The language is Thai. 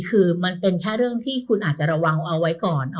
คือมันเป็นแค่เรื่องที่คุณอาจจะระวังเอาไว้ก่อน